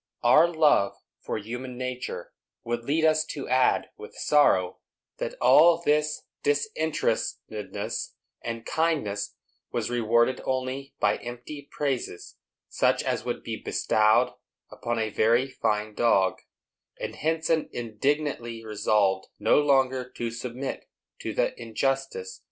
Our love for human nature would lead us to add, with sorrow, that all this disinterestedness and kindness was rewarded only by empty praises, such as would be bestowed upon a very fine dog; and Henson indignantly resolved no longer to submit to the injustice.